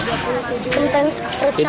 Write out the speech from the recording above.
iya kentang tercah